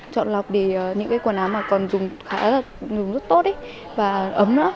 chọn lọc để những quần áo mà còn dùng rất tốt và ấm nữa